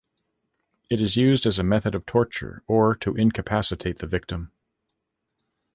It is used as a method of torture, or to incapacitate the victim.